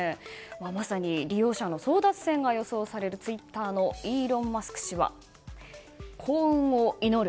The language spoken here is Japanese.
まさに利用者の争奪戦が予想されるツイッターのイーロン・マスク氏は幸運を祈る。